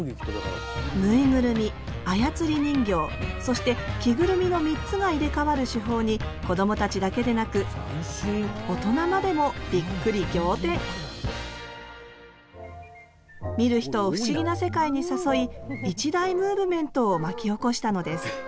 ぬいぐるみ操り人形そして着ぐるみの３つが入れ代わる手法にこどもたちだけでなく大人までもびっくり仰天見る人を不思議な世界に誘い一大ムーブメントを巻き起こしたのです